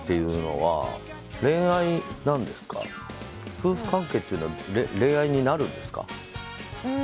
夫婦関係というのは恋愛になるんですか？